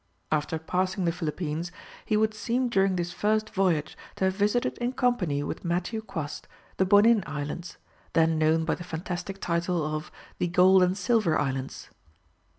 After passing the Philippines, he would seem during this first voyage to have visited in company with Matthew Quast the Bonin Islands, then known by the fantastic title of "the Gold and Silver Islands."